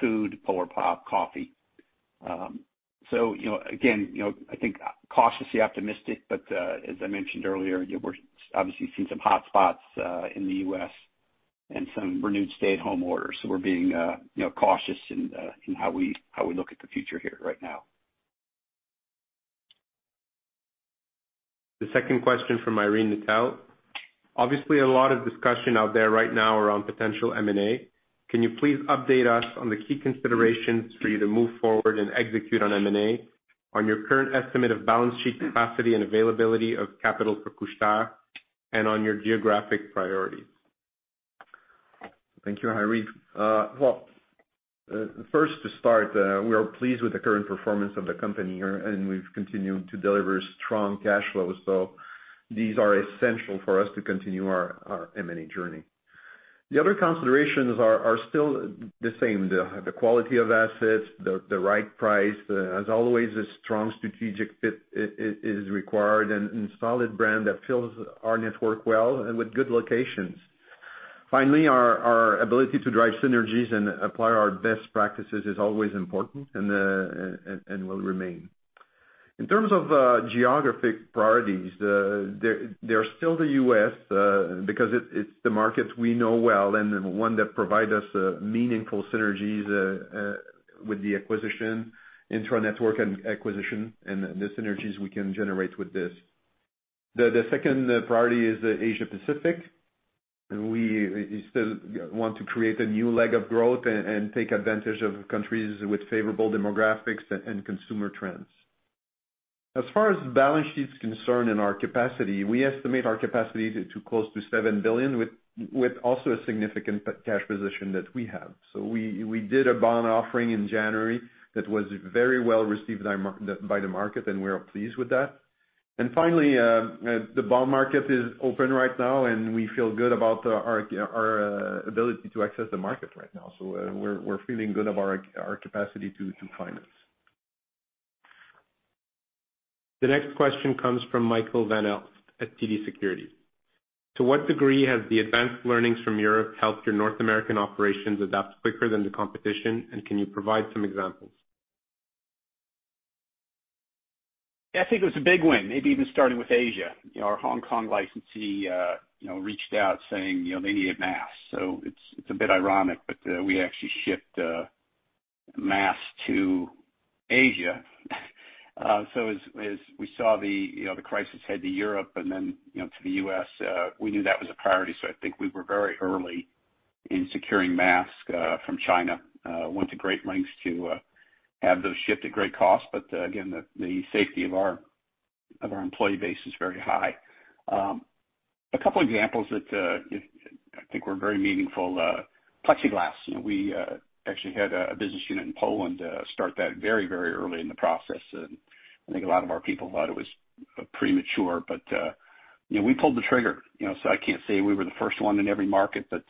food, Polar Pop, coffee. Again, I think cautiously optimistic, but as I mentioned earlier, we're obviously seeing some hot spots in the U.S. and some renewed stay-at-home orders. We're being cautious in how we look at the future here right now. The second question from Irene Nattel. Obviously, a lot of discussion out there right now around potential M&A. Can you please update us on the key considerations for you to move forward and execute on M&A, on your current estimate of balance sheet capacity and availability of capital for Couche-Tard, and on your geographic priorities? Thank you, Irene. Well, first to start, we are pleased with the current performance of the company, we've continued to deliver strong cash flows. These are essential for us to continue our M&A journey. The other considerations are still the same. The quality of assets, the right price, as always, a strong strategic fit is required, and solid brand that fills our network well and with good locations. Finally, our ability to drive synergies and apply our best practices is always important and will remain. In terms of geographic priorities, they are still the U.S. because it's the market we know well and one that provide us meaningful synergies with the acquisition, intra-network acquisition, and the synergies we can generate with this. The second priority is Asia Pacific. We still want to create a new leg of growth and take advantage of countries with favorable demographics and consumer trends. As far as balance sheet's concern and our capacity, we estimate our capacity to close to 7 billion with also a significant cash position that we have. We did a bond offering in January that was very well received by the market, and we're pleased with that. Finally, the bond market is open right now, and we feel good about our ability to access the market right now. We're feeling good of our capacity to finance. The next question comes from Michael Van Aelst at TD Securities. To what degree has the advanced learnings from Europe helped your North American operations adapt quicker than the competition, and can you provide some examples? I think it was a big win, maybe even starting with Asia. Our Hong Kong licensee reached out saying, they needed masks. It's a bit ironic, but we actually shipped masks to Asia. As we saw the crisis head to Europe and then to the U.S., we knew that was a priority. I think we were very early in securing masks from China. We went to great lengths to have those shipped at great cost. Again, the safety of our employee base is very high. A couple examples that I think were very meaningful. Plexiglass. We actually had a business unit in Poland start that very early in the process, and I think a lot of our people thought it was premature. We pulled the trigger. I can't say we were the first one in every market, but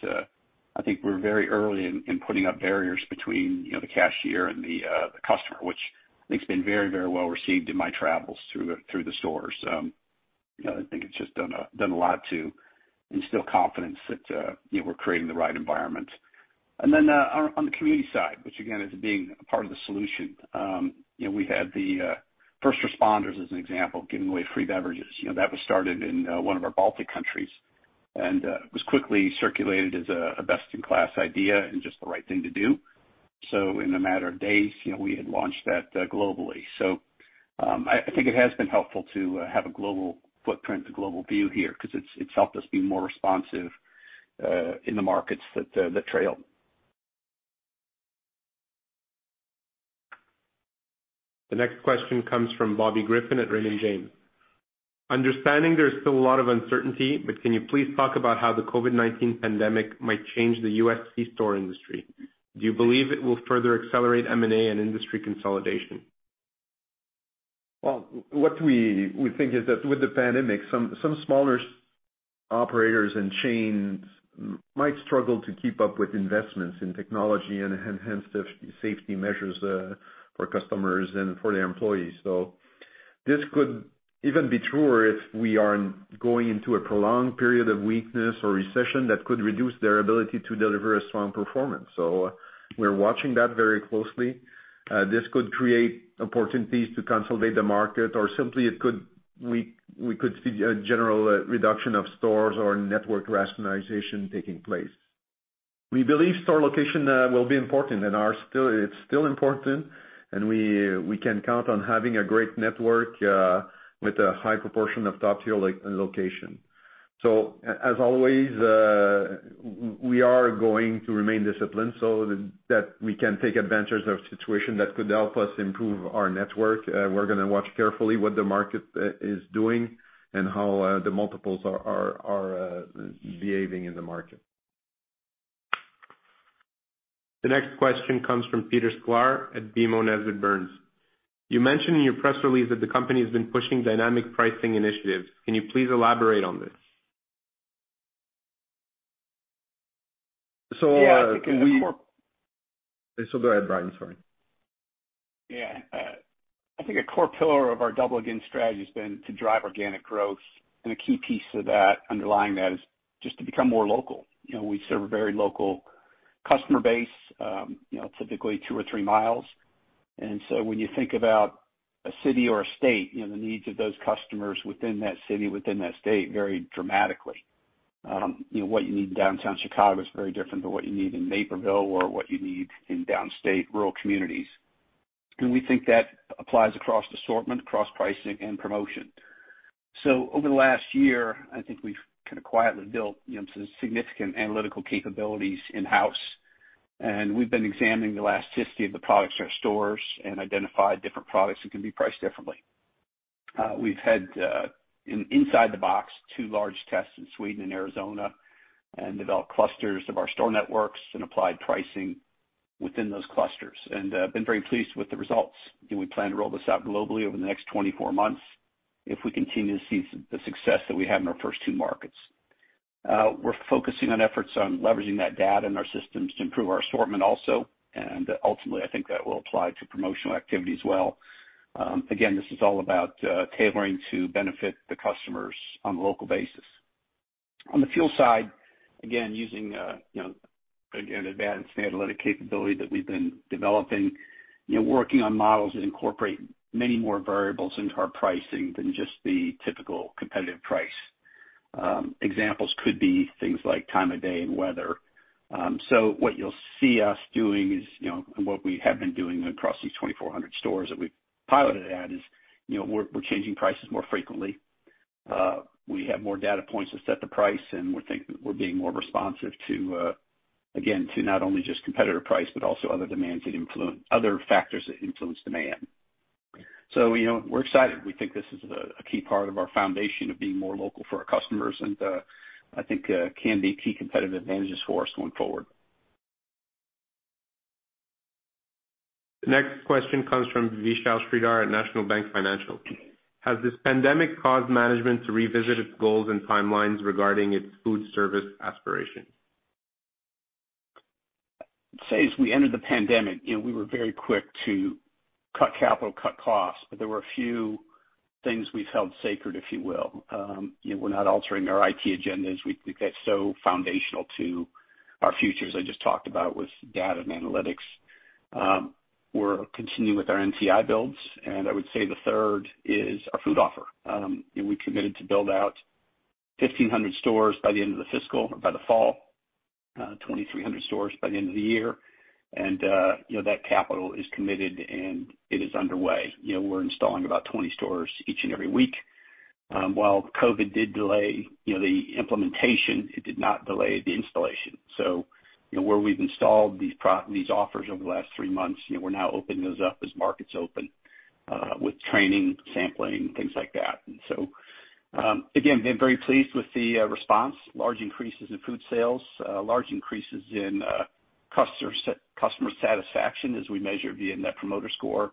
I think we were very early in putting up barriers between the cashier and the customer, which I think has been very well received in my travels through the stores. I think it's just done a lot to instill confidence that we're creating the right environment. On the community side, which again, is being a part of the solution. We had the first responders, as an example, giving away free beverages. That was started in one of our Baltic countries and was quickly circulated as a best-in-class idea and just the right thing to do. In a matter of days, we had launched that globally. I think it has been helpful to have a global footprint, a global view here, because it's helped us be more responsive in the markets that trail. The next question comes from Bobby Griffin at Raymond James. Understanding there's still a lot of uncertainty, can you please talk about how the COVID-19 pandemic might change the U.S. C-store industry? Do you believe it will further accelerate M&A and industry consolidation? Well, what we think is that with the pandemic, some smaller operators and chains might struggle to keep up with investments in technology and enhanced safety measures for customers and for their employees. This could even be truer if we are going into a prolonged period of weakness or recession that could reduce their ability to deliver a strong performance. We're watching that very closely. This could create opportunities to consolidate the market, or simply we could see a general reduction of stores or network rationalization taking place. We believe store location will be important, and it's still important, and we can count on having a great network with a high proportion of top-tier location. As always, we are going to remain disciplined so that we can take advantage of situation that could help us improve our network. We're going to watch carefully what the market is doing and how the multiples are behaving in the market. The next question comes from Peter Sklar at BMO Nesbitt Burns. You mentioned in your press release that the company has been pushing dynamic pricing initiatives. Can you please elaborate on this? So we- Yeah, I think our core-. Go ahead, Brian, sorry. Yeah. I think a core pillar of our Double Again strategy has been to drive organic growth, and a key piece of that, underlying that, is just to become more local. We serve a very local customer base, typically two or three miles. When you think about a city or a state, the needs of those customers within that city, within that state, vary dramatically. What you need in downtown Chicago is very different than what you need in Naperville or what you need in downstate rural communities. We think that applies across assortment, across pricing and promotion. Over the last year, I think we've kind of quietly built some significant analytical capabilities in-house, and we've been examining the last history of the products in our stores and identified different products that can be priced differently. We've had, inside the box, two large tests in Sweden and Arizona and developed clusters of our store networks and applied pricing within those clusters and have been very pleased with the results. We plan to roll this out globally over the next 24 months if we continue to see the success that we had in our first two markets. Ultimately, I think that will apply to promotional activity as well. Again, this is all about tailoring to benefit the customers on a local basis. On the fuel side, using advanced analytic capability that we've been developing, working on models that incorporate many more variables into our pricing than just the typical competitive price. Examples could be things like time of day and weather. What you'll see us doing is, and what we have been doing across these 2,400 stores that we've piloted at is, we're changing prices more frequently. We have more data points to set the price, we think that we're being more responsive to, again, to not only just competitive price, but also other factors that influence demand. We're excited. We think this is a key part of our foundation of being more local for our customers and I think can be key competitive advantages for us going forward. The next question comes from Vishal Shreedhar at National Bank Financial. Has this pandemic caused management to revisit its goals and timelines regarding its food service aspirations? I'd say, as we entered the pandemic, we were very quick to cut capital, cut costs, there were a few things we've held sacred, if you will. We're not altering our IT agendas. We think that's so foundational to our future, as I just talked about with data and analytics. We're continuing with our NTI builds, I would say the third is our food offer. We committed to build out 1,500 stores by the end of the fiscal or by the fall, 2,300 stores by the end of the year. That capital is committed, and it is underway. We're installing about 20 stores each and every week. While COVID-19 did delay the implementation, it did not delay the installation. Where we've installed these offers over the last three months, we're now opening those up as markets open with training, sampling, things like that. We have again, been very pleased with the response. Large increases in food sales, large increases in customer satisfaction as we measure via Net Promoter Score.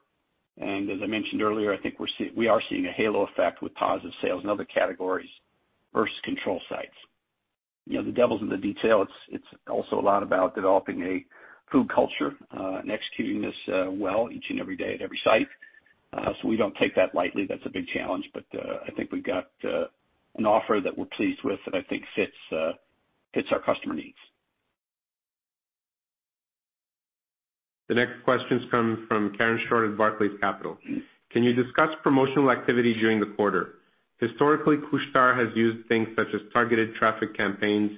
The next question comes from Karen Short at Barclays Capital. Can you discuss promotional activity during the quarter? Historically, Couche-Tard has used things such as targeted traffic campaigns,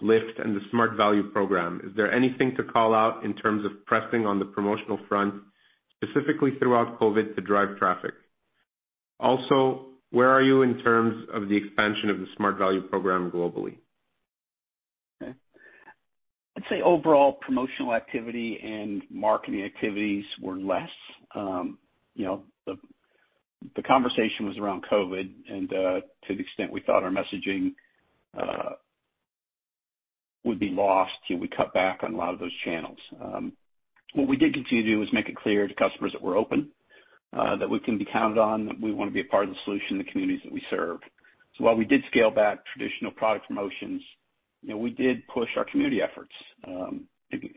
LIFT, and the Smart Value program. Is there anything to call out in terms of pressing on the promotional front, specifically throughout COVID-19, to drive traffic? Where are you in terms of the expansion of the Smart Value program globally? Okay. I'd say overall promotional activity and marketing activities were less. The conversation was around COVID and, to the extent we thought our messaging would be lost, we cut back on a lot of those channels. What we did continue to do was make it clear to customers that we're open, that we can be counted on, that we want to be a part of the solution in the communities that we serve. While we did scale back traditional product promotions, we did push our community efforts.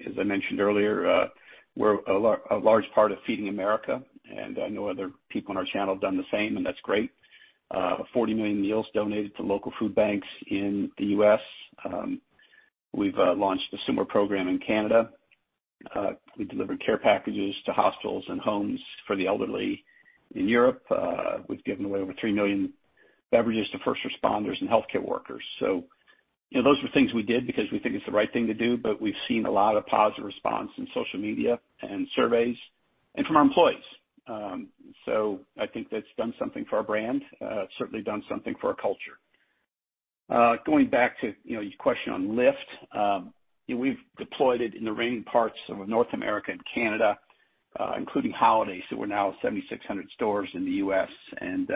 As I mentioned earlier, we're a large part of Feeding America, and I know other people in our channel have done the same, and that's great. 40 million meals donated to local food banks in the U.S. We've launched a similar program in Canada. We delivered care packages to hospitals and homes for the elderly in Europe. We've given away over 3 million beverages to first responders and healthcare workers. Those were things we did because we think it's the right thing to do, but we've seen a lot of positive response in social media and surveys and from our employees. I think that's done something for our brand. It's certainly done something for our culture. Going back to your question on LIFT, we've deployed it in the remaining parts of North America and Canada, including Holiday. We're now at 7,600 stores in the U.S. and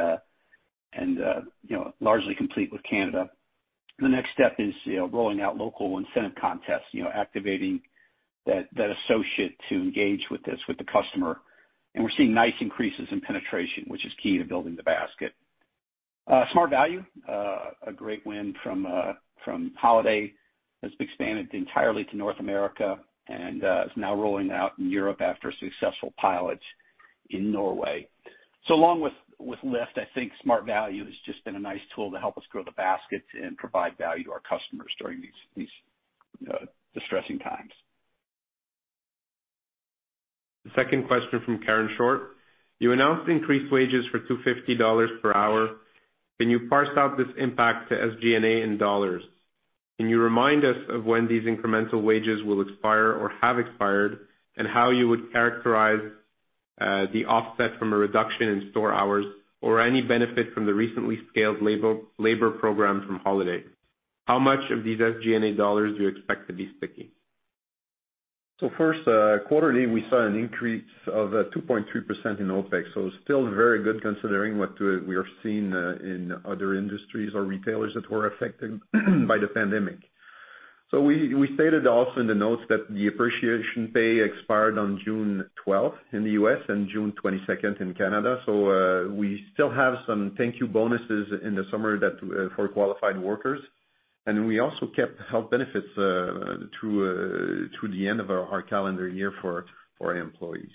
largely complete with Canada. The next step is rolling out local incentive contests, activating that associate to engage with the customer. We're seeing nice increases in penetration, which is key to building the basket. Smart Value, a great win from Holiday, has been expanded entirely to North America and is now rolling out in Europe after successful pilots in Norway. Along with LIFT, I think Smart Value has just been a nice tool to help us grow the basket and provide value to our customers during these distressing times. The second question from Karen Short. You announced increased wages for $2.50 per hour. Can you parse out this impact to SG&A in dollars? Can you remind us of when these incremental wages will expire or have expired, and how you would characterize the offset from a reduction in store hours or any benefit from the recently scaled labor program from Holiday? How much of these SG&A dollars do you expect to be sticky? First, quarterly, we saw an increase of 2.3% in OpEx. Still very good considering what we are seeing in other industries or retailers that were affected by the pandemic. We stated also in the notes that the appreciation pay expired on June 12th in the U.S. and June 22nd in Canada. We still have some thank you bonuses in the summer for qualified workers. We also kept health benefits through the end of our calendar year for our employees.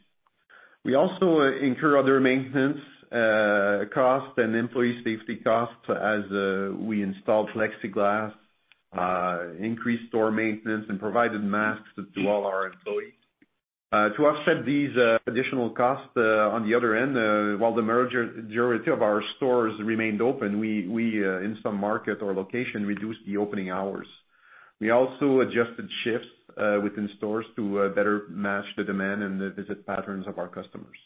We also incur other maintenance costs and employee safety costs as we installed plexiglass, increased store maintenance, and provided masks to all our employees. To offset these additional costs, on the other end, while the majority of our stores remained open, we, in some market or location, reduced the opening hours. We also adjusted shifts within stores to better match the demand and the visit patterns of our customers.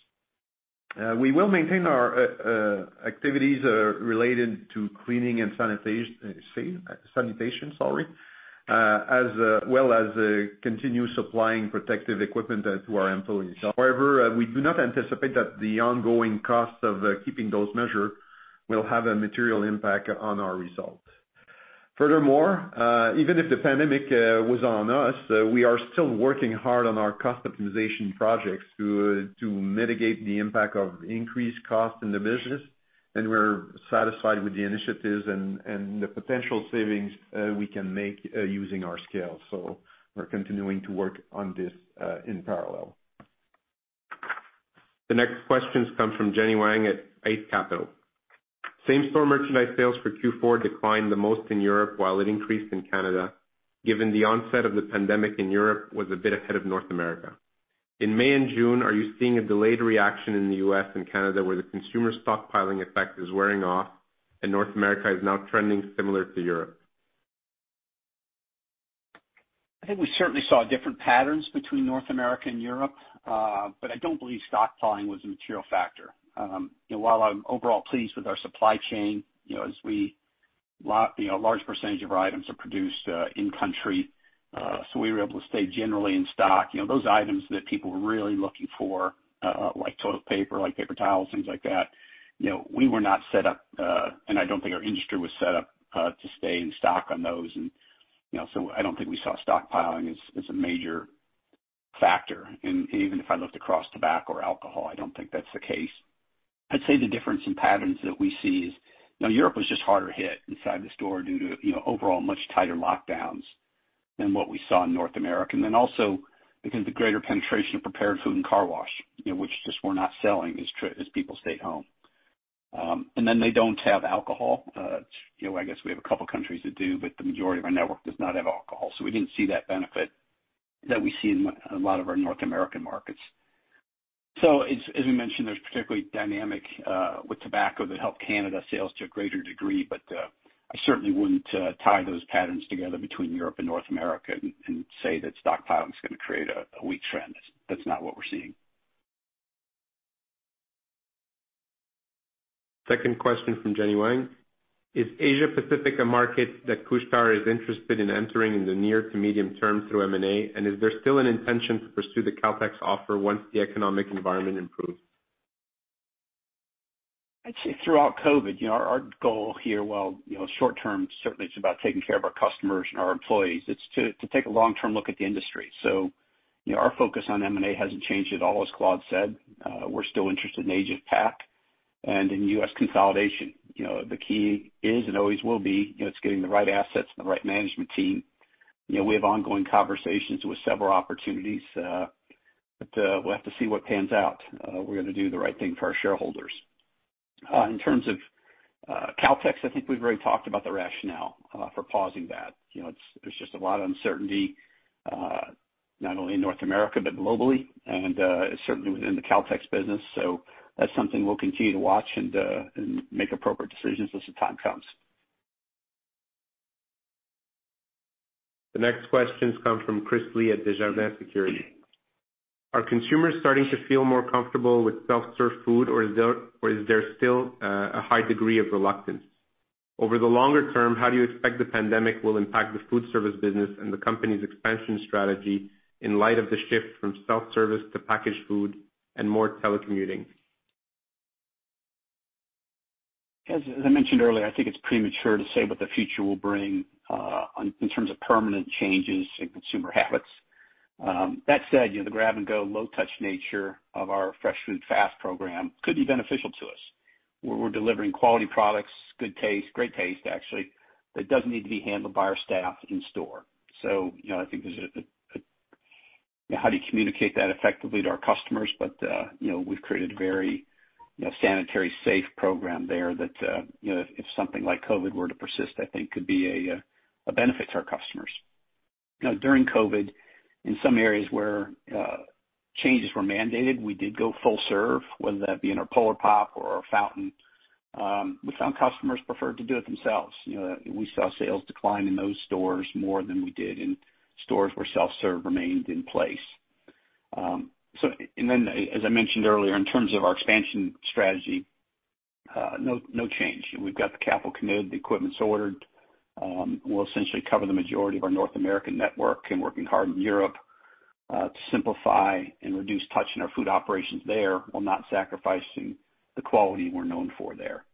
We will maintain our activities related to cleaning and sanitation as well as continue supplying protective equipment to our employees. However, we do not anticipate that the ongoing costs of keeping those measures will have a material impact on our results. Furthermore, even if the pandemic was on us, we are still working hard on our cost optimization projects to mitigate the impact of increased costs in the business, and we're satisfied with the initiatives and the potential savings we can make using our scale. We're continuing to work on this in parallel. The next questions come from Jenny Wang at Eight Capital. Same-store merchandise sales for Q4 declined the most in Europe while it increased in Canada, given the onset of the pandemic in Europe was a bit ahead of North America. In May and June, are you seeing a delayed reaction in the U.S. and Canada, where the consumer stockpiling effect is wearing off and North America is now trending similar to Europe? I think we certainly saw different patterns between North America and Europe, but I don't believe stockpiling was a material factor. While I'm overall pleased with our supply chain, a large percentage of our items are produced in-country, we were able to stay generally in stock. Those items that people were really looking for, like toilet paper, like paper towels, things like that, we were not set up, and I don't think our industry was set up to stay in stock on those. I don't think we saw stockpiling as a major factor. Even if I looked across tobacco or alcohol, I don't think that's the case. I'd say the difference in patterns that we see is, Europe was just harder hit inside the store due to overall much tighter lockdowns than what we saw in North America. Also, I think the greater penetration of prepared food and car wash, which just were not selling as people stayed home. They don't have alcohol. I guess we have a couple countries that do, but the majority of our network does not have alcohol, so we didn't see that benefit that we see in a lot of our North American markets. As we mentioned, there's particularly dynamic with tobacco that helped Canada sales to a greater degree, but I certainly wouldn't tie those patterns together between Europe and North America and say that stockpiling is going to create a weak trend. That's not what we're seeing. Second question from Jenny Wang. Is Asia Pacific a market that Couche-Tard is interested in entering in the near to medium term through M&A? Is there still an intention to pursue the Caltex offer once the economic environment improves? I'd say throughout COVID-19, our goal here, while short term, certainly it's about taking care of our customers and our employees, it's to take a long-term look at the industry. Our focus on M&A hasn't changed at all, as Claude said. We're still interested in Asia-Pac and in U.S. consolidation. The key is and always will be, it's getting the right assets and the right management team. We have ongoing conversations with several opportunities, but we'll have to see what pans out. We're going to do the right thing for our shareholders. In terms of Caltex, I think we've already talked about the rationale for pausing that. There's just a lot of uncertainty. Not only in North America, but globally, and certainly within the Caltex business. That's something we'll continue to watch and make appropriate decisions as the time comes. The next questions come from Chris Li at Desjardins Securities. Are consumers starting to feel more comfortable with self-serve food, or is there still a high degree of reluctance? Over the longer term, how do you expect the pandemic will impact the food service business and the company's expansion strategy in light of the shift from self-service to packaged food and more telecommuting? As I mentioned earlier, I think it's premature to say what the future will bring in terms of permanent changes in consumer habits. That said, the grab-and-go, low-touch nature of our Fresh Food Fast program could be beneficial to us, where we're delivering quality products, good taste, great taste actually, that doesn't need to be handled by our staff in-store. How do you communicate that effectively to our customers? We've created a very sanitary, safe program there that, if something like COVID were to persist, I think could be a benefit to our customers. During COVID, in some areas where changes were mandated, we did go full serve, whether that be in our Polar Pop or our fountain. We found customers preferred to do it themselves. We saw sales decline in those stores more than we did in stores where self-serve remained in place. As I mentioned earlier, in terms of our expansion strategy, no change. We've got the capital committed, the equipment's ordered. We'll essentially cover the majority of our North American network and working hard in Europe, to simplify and reduce touch in our food operations there while not sacrificing the quality we're known for there.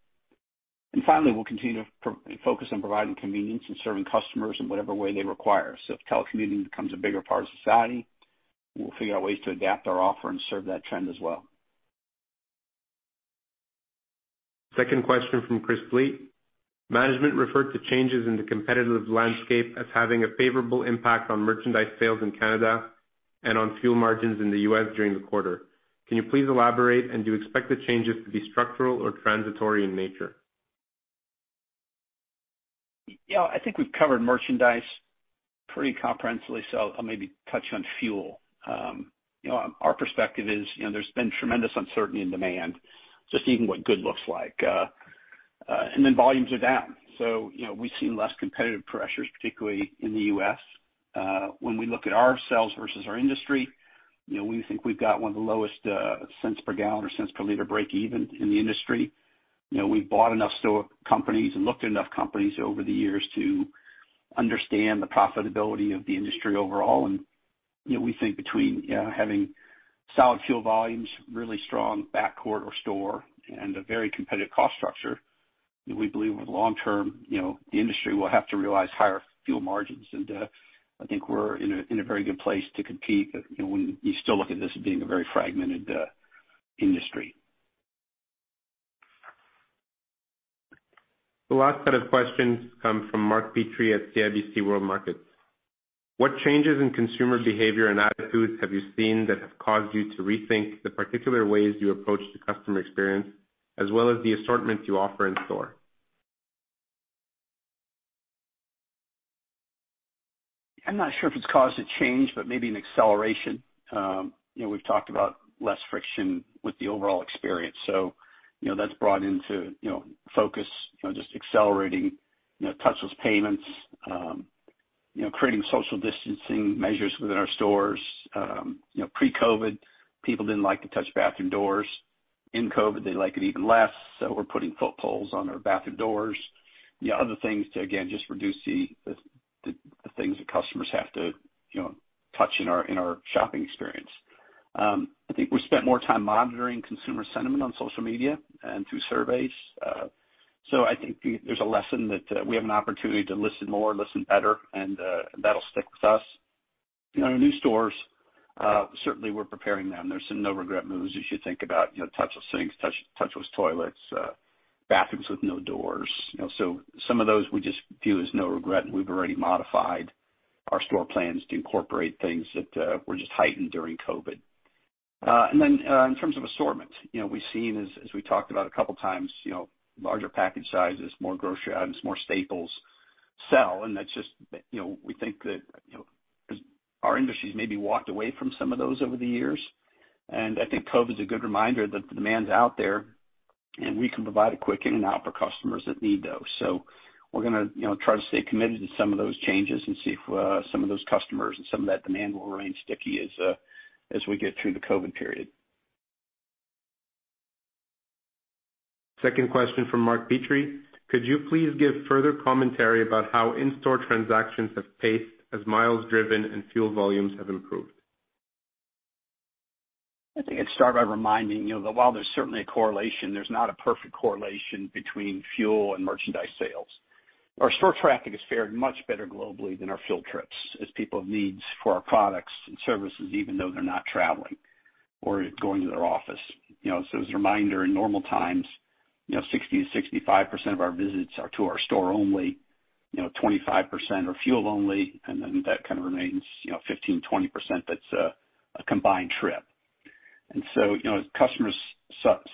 Finally, we'll continue to focus on providing convenience and serving customers in whatever way they require. If telecommuting becomes a bigger part of society, we'll figure out ways to adapt our offer and serve that trend as well. Second question from Chris Li. Management referred to changes in the competitive landscape as having a favorable impact on merchandise sales in Canada and on fuel margins in the U.S. during the quarter. Can you please elaborate, and do you expect the changes to be structural or transitory in nature? Yeah, I think we've covered merchandise pretty comprehensively, so I'll maybe touch on fuel. Our perspective is, there's been tremendous uncertainty in demand, just even what good looks like. Volumes are down. We've seen less competitive pressures, particularly in the U.S. When we look at ourselves versus our industry, we think we've got one of the lowest cents per gallon or cents per liter breakeven in the industry. We've bought enough companies and looked at enough companies over the years to understand the profitability of the industry overall. We think between having solid fuel volumes, really strong backcourt or store, and a very competitive cost structure, we believe over the long term, the industry will have to realize higher fuel margins. I think we're in a very good place to compete, when you still look at this as being a very fragmented industry. The last set of questions come from Mark Petrie at CIBC World Markets. What changes in consumer behavior and attitudes have you seen that have caused you to rethink the particular ways you approach the customer experience as well as the assortments you offer in store? I'm not sure if it's caused a change, but maybe an acceleration. We've talked about less friction with the overall experience. That's brought into focus just accelerating touchless payments, creating social distancing measures within our stores. Pre-COVID, people didn't like to touch bathroom doors. In COVID, they like it even less, so we're putting foot pedals on our bathroom doors. Other things to, again, just reduce the things that customers have to touch in our shopping experience. I think we've spent more time monitoring consumer sentiment on social media and through surveys. I think there's a lesson that we have an opportunity to listen more, listen better, and that'll stick with us. New stores, certainly we're preparing them. There's some no-regret moves as you think about touchless sinks, touchless toilets, bathrooms with no doors. Some of those we just view as no regret, and we've already modified our store plans to incorporate things that were just heightened during COVID. Then, in terms of assortment, we've seen, as we talked about a couple of times, larger package sizes, more grocery items, more staples sell. We think that our industry's maybe walked away from some of those over the years. I think COVID's a good reminder that the demand's out there, and we can provide a quick in and out for customers that need those. We're gonna try to stay committed to some of those changes and see if some of those customers and some of that demand will remain sticky as we get through the COVID period. Second question from Mark Petrie. Could you please give further commentary about how in-store transactions have paced as miles driven and fuel volumes have improved? I think I'd start by reminding you that while there's certainly a correlation, there's not a perfect correlation between fuel and merchandise sales. Our store traffic has fared much better globally than our fuel trips as people have needs for our products and services, even though they're not traveling or going to their office. As a reminder, in normal times, 60%-65% of our visits are to our store only, 25% are fuel only, and then that kind of remains 15%-20% that's a combined trip. As customers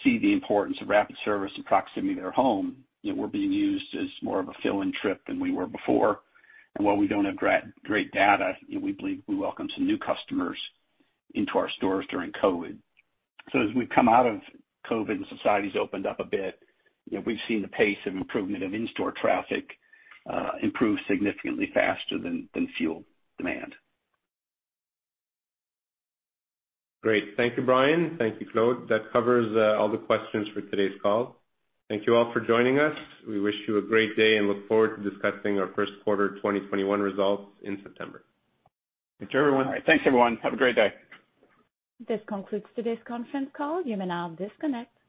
see the importance of rapid service and proximity to their home, we're being used as more of a fill-in trip than we were before. While we don't have great data, we believe we welcomed some new customers into our stores during COVID-19. As we've come out of COVID and society's opened up a bit, we've seen the pace of improvement of in-store traffic improve significantly faster than fuel demand. Great. Thank you, Brian. Thank you, Claude. That covers all the questions for today's call. Thank you all for joining us. We wish you a great day and look forward to discussing our first quarter 2021 results in September. Thank you, everyone. All right. Thanks, everyone. Have a great day. This concludes today's conference call. You may now disconnect.